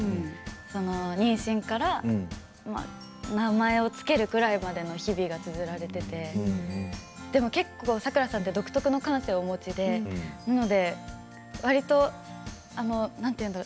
妊娠から名前を付けるぐらいまでの日々がつづられていてでもさくらさんは独特の感性をお持ちなのでなんて言うんだろう